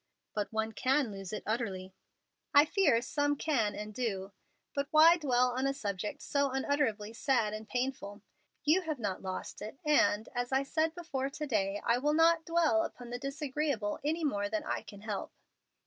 "But one can lose it utterly." "I fear some can and do. But why dwell on a subject so unutterably sad and painful? You have not lost it, and, as I said before to day, I will not dwell upon the disagreeable any more than I can help."